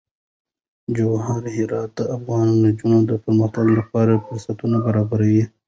جواهرات د افغان نجونو د پرمختګ لپاره فرصتونه برابروي.